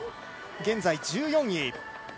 現在１４位。